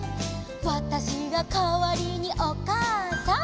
「わたしがかわりにおかあさん」